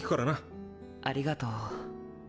ありがとう。